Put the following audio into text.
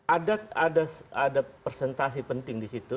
ada presentasi penting disitu